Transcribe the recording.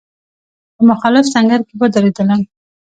په مخالف سنګر کې ودرېدلم.